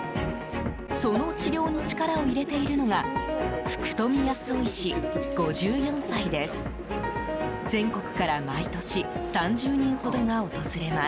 その治療に力を入れているのが福富康夫医師、５４歳です。